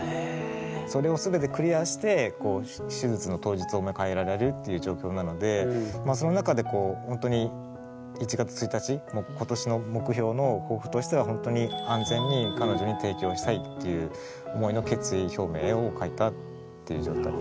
それを全てクリアして手術の当日を迎えられるっていう状況なのでその中でほんとに１月１日今年の目標の抱負としてはほんとにっていう思いの決意表明を書いたっていう状態です。